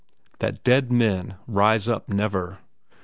"That dead men rise up never!"